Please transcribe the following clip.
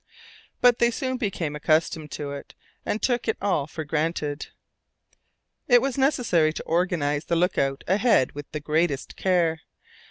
But they soon became accustomed to it, and took it all for granted. It was necessary to organize the look out ahead with the greatest care.